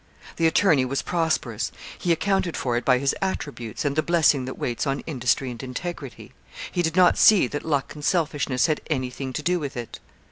The attorney was prosperous. He accounted for it by his attributes, and the blessing that waits on industry and integrity. He did not see that luck and selfishness had anything to do with it.